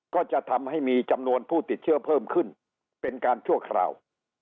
ก็จะทำให้มีจำนวนผู้ติดเชื้อเพิ่มขึ้นเป็นการชั่วคราว